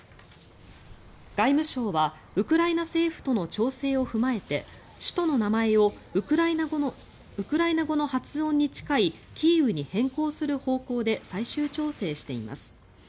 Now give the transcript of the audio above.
外務省はウクライナ政府との調整を踏まえて首都の名前をウクライナ語の発音に近いキーウに変更する方向で最終調整しています。